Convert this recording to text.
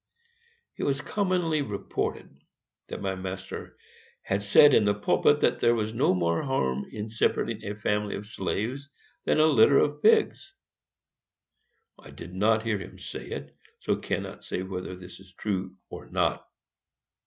It was commonly reported that my master had said in the pulpit that there was no more harm in separating a family of slaves than a litter of pigs. I did not hear him say it, and so cannot say whether this is true or not.